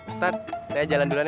ustadz saya jalan duluan